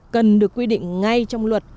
cần được quy định ngay trong luật